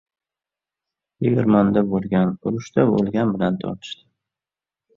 • Tegirmonda bo‘lgan urushda bo‘lgan bilan tortishdi.